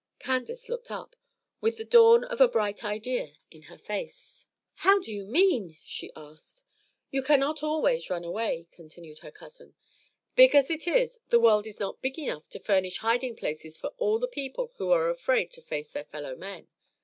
Candace looked up, with the dawn of a new idea in her face. "How do you mean?" she asked. "You cannot always run away," continued her cousin. "Big as it is, the world is not big enough to furnish hiding places for all the people who are afraid to face their fellow men.